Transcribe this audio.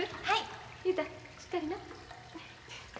はい。